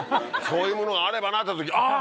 そういうものがあればなって時ああ